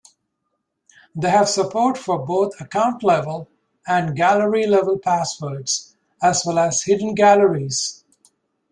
They have support for both account-level and gallery-level passwords, as well as hidden galleries.